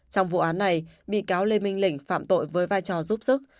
trong vụ án này bị cáo lê minh lĩnh phạm tội với vai trò giúp sức